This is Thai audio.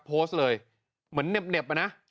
โพสต์เลยเหมือนเหน็บอะนะ